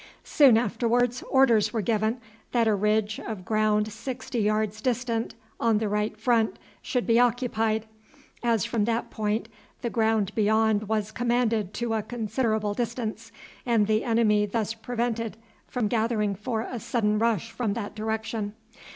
Soon afterwards orders were given that a ridge of ground sixty yards distant on the right front should be occupied, as from that point the ground beyond was commanded to a considerable distance, and the enemy thus prevented from gathering for a sudden rush from that direction.